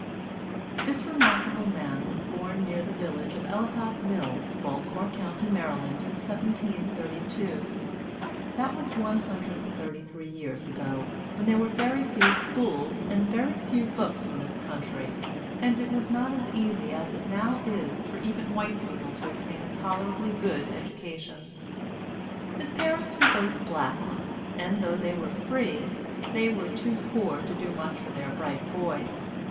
This remarkable man was born near the village of Ellicott's Mills, Baltimore County, Maryland, in 1732. That was one hundred and thirty three years ago, when there were very few schools and very few books in this country, and when it was not as easy as it now is for even white people to obtain a tolerably good education. His parents were both black, and though they were free, they were too poor to do much for their bright boy.